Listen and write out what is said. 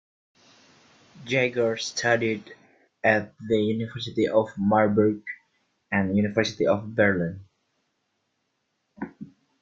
Jaeger studied at the University of Marburg and University of Berlin.